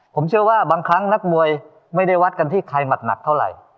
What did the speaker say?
ผมเชื่อว่าบางครั้งนักมวยไม่ได้วัดกันที่ใครหนักเท่าไหร่